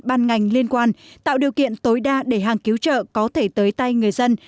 ban ngành liên quan tạo điều kiện tối đa để hàng cứu trợ có thể tới tay người dân